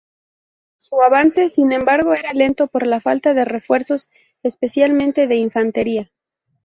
Su avance, sin embargo, era lento por la falta de refuerzos, especialmente de infantería.